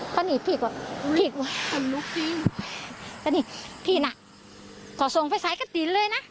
เพราะนี่พี่ก็พี่ก็อันนี้พี่น่ะก็ส่งไฟฉายกระตินเลยน่ะ